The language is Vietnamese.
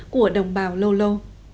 của đồng bào lô lô